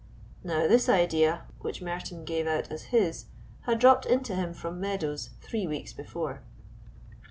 Now this idea, which Merton gave out as his, had dropped into him from Meadows three weeks before.